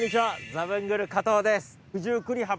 ザブングル加藤です。